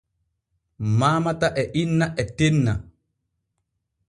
Maamata e inna e tenna.